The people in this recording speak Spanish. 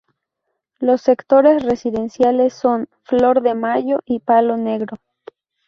Los sectores residenciales son: Flor de Mayo y Palo Negro.